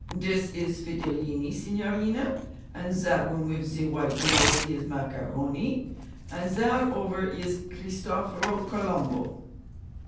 'Dis is Fidilini, signorina, and zat one wif ze white nose is Macaroni, and zat ovver is Cristoforo Colombo.'